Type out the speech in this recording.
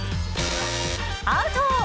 アウト！